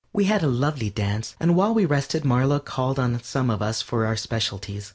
We had a lovely dance, and while we rested Marlow called on some of us for specialties.